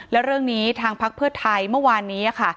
และเรื่องนี้ทางพักเพื่อไทยเมื่อวานนี้ค่ะ